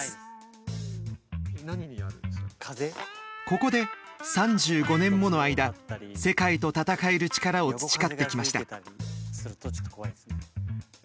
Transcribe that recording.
ここで３５年もの間世界と戦える力を培ってきました。